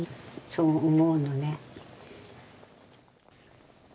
そう思うのね。